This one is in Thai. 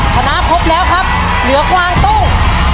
ชนะครบแล้วครับเหลือกวางตุ้ง